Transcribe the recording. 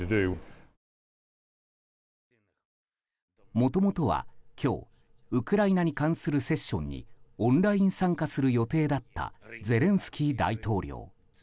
もともとは今日ウクライナに関するセッションにオンライン参加する予定だったゼレンスキー大統領。